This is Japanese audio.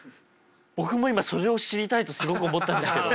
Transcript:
僕も今それを知りたいとすごく思ったんですけど。